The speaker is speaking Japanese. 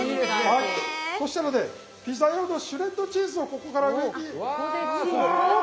はいそしたらねピザ用のシュレッドチーズをここから上にブワーッ。